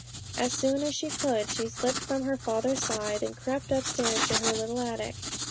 As soon as she could, she slipped from her father's side, and crept upstairs to her little attic.